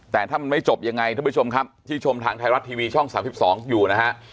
แต่ถ้ามันไม่จบยังไงท่านผู้ชมครับที่ชมทางไทยรัฐทีวีช่อง๓๒อยู่นะฮะ